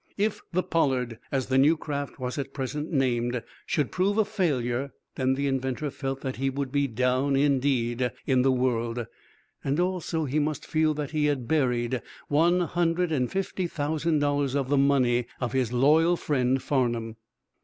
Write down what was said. If the "Pollard," as the new craft was at present named, should prove a failure, then the inventor felt that he would be "down" indeed in the world. Also, he must feel that he had buried one hundred and fifty thousand dollars of the money of his loyal friend, Farnum.